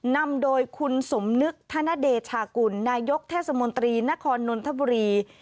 นำโดยคุณสมนึกธนเดชากุลนายกเทศมนตรีนครนนทบุรี